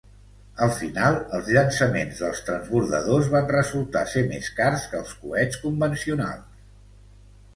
Al final, els llançaments dels transbordadors van resultar ser més cars que els coets convencionals.